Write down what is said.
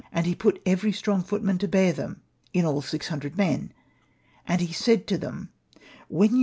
And he put every strong footman to bear them, in all six hundred men, and said to them, ''When you come